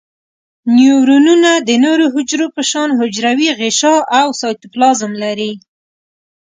نیورونونه د نورو حجرو په شان حجروي غشاء او سایتوپلازم لري.